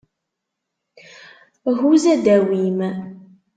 Huz adaw-im.